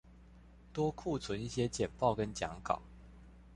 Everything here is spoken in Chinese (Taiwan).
多庫存一些簡報跟講稿